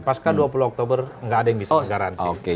pas kan dua puluh oktober nggak ada yang bisa menggaranti